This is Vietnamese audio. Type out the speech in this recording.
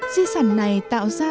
di sản này tạo ra